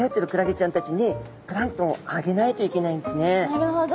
なるほど。